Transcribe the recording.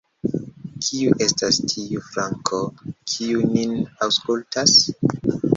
Kiu estas tiu _Franko_, kiu nin aŭskultas?